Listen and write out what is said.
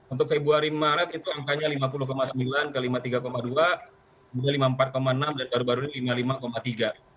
untuk februari maret itu angkanya lima puluh sembilan ke lima puluh tiga dua kemudian lima puluh empat enam dan baru baru ini lima puluh lima tiga